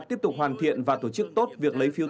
tiếp tục hoàn thiện và tổ chức tốt việc lấy phiếu